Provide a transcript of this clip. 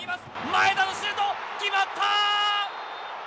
前田のシュート決まった！